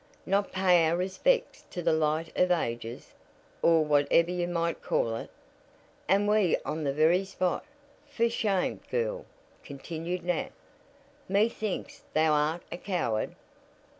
"Not pay our respects to the light of ages or whatever you might call it? And we on the very spot! For shame, girl!" continued Nat. "Methinks thou art a coward."